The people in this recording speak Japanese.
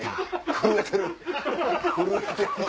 震えてる！